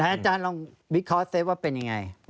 อาจารย์ลองวิเคราะห์เซฟว่าเป็นยังไง